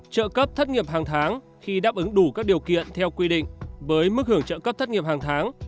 trợ cấp thất nghiệp hàng tháng khi đáp ứng đủ các điều kiện theo quy định với mức hưởng trợ cấp thất nghiệp hàng tháng